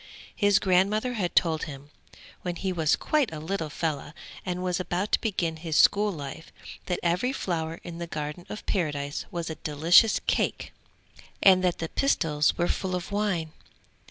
His grandmother had told him, when he was quite a little fellow and was about to begin his school life, that every flower in the Garden of Paradise was a delicious cake, and that the pistils were full of wine.